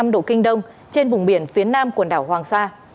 một trăm một mươi một năm độ kinh đông trên vùng biển phía nam quần đảo hoàng sa